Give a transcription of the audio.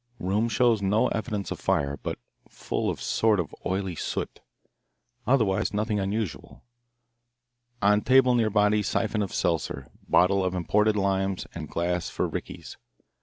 Room shows no evidence of fire, but full of sort of oily soot. Otherwise nothing unusual. On table near body siphon of seltzer, bottle of imported limes, and glass for rickeys.